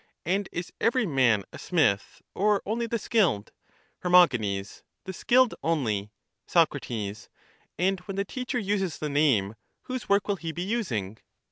And is every man a smith, or only the skilled? Her. The skilled only. Soc. And when the teacher uses the name, whose work will he be using?